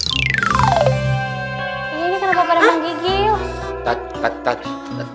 ini kenapa pada emang gigi yuk